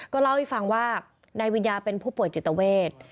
เล่าให้ฟังว่านายวิญญาเป็นผู้ป่วยจิตเวท